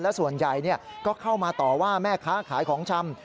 และส่วนใหญ่ก็เข้ามาต่อว่าแม่ค้าขายของชำ